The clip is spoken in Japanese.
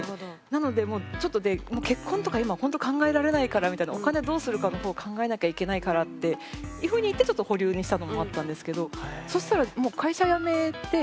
なのでもうちょっとね結婚とか今ほんと考えられないからみたいなお金どうするかの方考えなきゃいけないからっていうふうに言ってちょっと保留にしたのもあったんですけど。